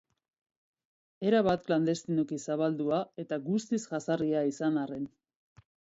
Erabat klandestinoki zabaldua eta guztiz jazarria izan arren.